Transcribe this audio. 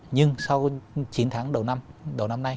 nhưng sau chín tháng đầu năm đầu năm nay